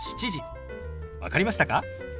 分かりましたか？